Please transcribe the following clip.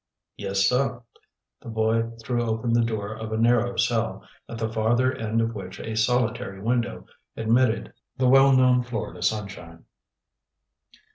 "Yes, suh." The boy threw open the door of a narrow cell, at the farther end of which a solitary window admitted the well known Florida sunshine.